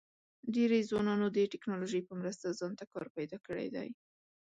ډېری ځوانانو د ټیکنالوژۍ په مرسته ځان ته کار پیدا کړی دی.